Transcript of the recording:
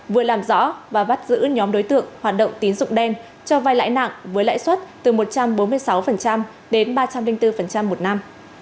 vừa làm rõ và bắt giữ nhóm đối tượng hoạt động tín dụng đen cho vai lãi nặng với lãi suất từ một trăm bốn mươi sáu đến ba trăm linh bốn một năm